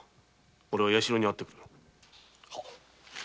おれは弥四郎に会ってくる。